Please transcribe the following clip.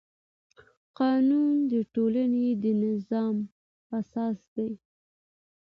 قانون د ټولنې د نظم اساس دی.